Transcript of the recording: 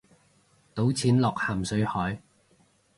倒錢落咸水海